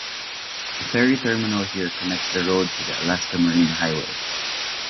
A ferry terminal here connects the road to the Alaska Marine Highway.